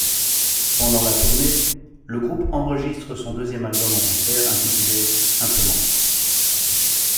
Pendant la tournée, le groupe enregistre son deuxième album en concert, intitulé simplement '.